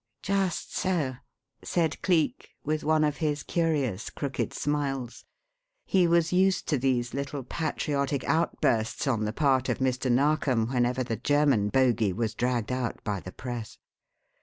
"Just so," said Cleek, with one of his curious, crooked smiles. He was used to these little patriotic outbursts on the part of Mr. Narkom whenever the German bogey was dragged out by the Press.